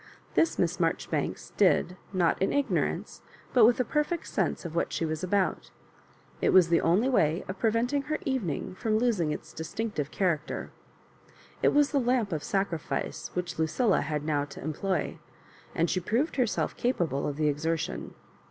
This Miss Marjoribanks did, not in ignorance, but with a perfect sense of what she was about It was the only way of preventing her Evening from losing its distinctive character. It was the Lamp of sacrifice which Lucilla had now to employ, and she proved herself capable of the exertion.